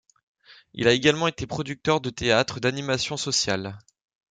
Il a également été producteur de théâtre d'animation sociale.